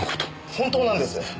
本当なんです。